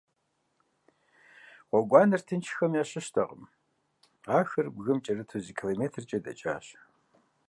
Гъуэгуанэр тыншхэм ящыщтэкъым - ахэр бгым кӏэрыту зы километркӏэ дэкӏащ.